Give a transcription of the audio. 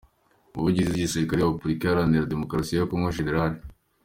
Umuvugizi w’igisirikare cya Repubulika Iharanira Demokarasi ya Congo, Gen.